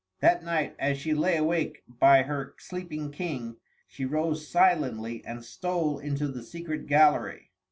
That night, as she lay awake by her sleeping King, she rose silently and stole into the secret gallery.